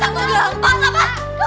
dua empat apa